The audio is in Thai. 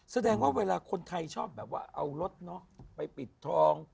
แสดงว่าเวลาคนไทยชอบแบบว่าเอารถเนาะไปปิดทอง